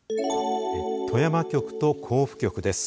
富山局と甲府局です。